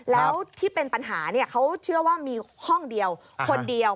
แล้วที่เป็นปัญหาเขาเชื่อว่ามีห้องเดียวคนเดียว